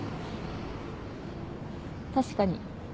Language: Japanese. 確かに。